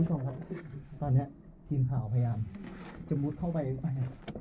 ตอนนี้ทีมข่าวพยายามจะมุดเข้าไปไป